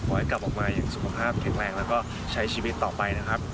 ให้กลับออกมาอย่างสุขภาพแข็งแรงแล้วก็ใช้ชีวิตต่อไปนะครับ